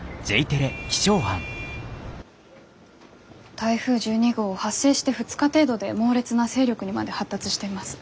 台風１２号発生して２日程度で猛烈な勢力にまで発達しています。